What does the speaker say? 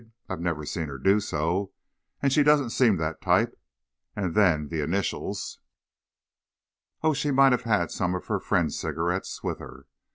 "I've never seen her do so, and she doesn't seem that type. And then, the initials " "Oh, well, she might have had some of her friends' cigarettes with her.